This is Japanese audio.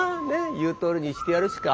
言うとおりにしてやるしか。